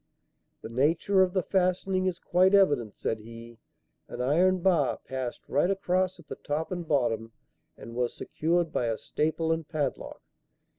"The nature of the fastening is quite evident," said he. "An iron bar passed right across at the top and bottom and was secured by a staple and padlock.